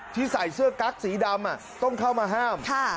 ใส่เสื้อกั๊กสีดำต้องเข้ามาห้าม